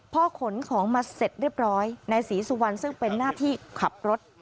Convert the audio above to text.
พอขนของมาเสร็จเรียบร้อยนายศรีสุวรรณซึ่งเป็นหน้าที่ขับรถ